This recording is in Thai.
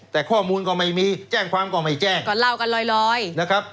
แต่ข้อมูลก็ไม่มีแจ้งความก็ไม่แจ้งก็เล่ากันลอยนะครับ